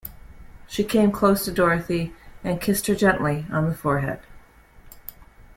She came close to Dorothy and kissed her gently on the forehead.